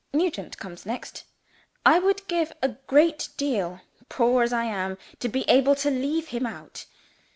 Nugent comes next. I would give a great deal, poor as I am, to be able to leave him out.